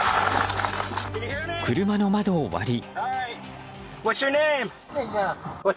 車の窓を割り。